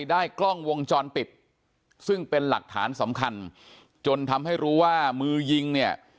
ได้กล้องวงจรปิดซึ่งเป็นหลักฐานสำคัญจนทำให้รู้ว่ามือยิงเนี่ย